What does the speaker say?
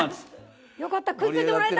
よかった食いついてもらえた。